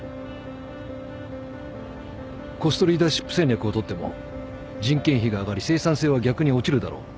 コストリーダーシップ戦略をとっても人件費が上がり生産性は逆に落ちるだろう。